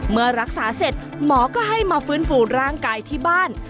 เมื่อรักษาเสร็จหมอก็ให้มาฟื้นฟูร่างกายที่บ้าน